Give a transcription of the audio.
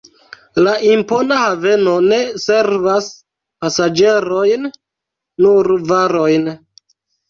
La impona haveno ne servas pasaĝerojn, nur varojn.